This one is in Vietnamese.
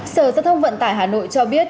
sở giao thông vận tải hà nội cho biết